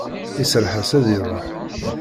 Iserreḥ-as ad iruḥ.